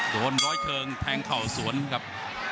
ร้อยเชิงแทงเข่าสวนครับ